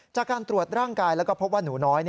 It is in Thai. จากการตรวจร่างกายแล้วก็พบว่าหนูน้อย